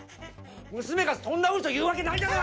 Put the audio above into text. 娘がそんなウソ言うわけないだろ！